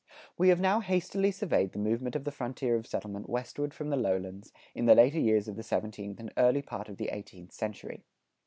[98:1] We have now hastily surveyed the movement of the frontier of settlement westward from the lowlands, in the later years of the seventeenth and early part of the eighteenth century.